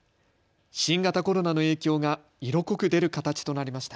新型コロナの影響が色濃く出る形となりました。